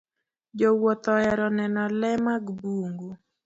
Jowuoth ohero neno le mag bungu.